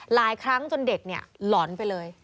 หลายครั้งจนเด็กเนี่ยหลอนไปเลย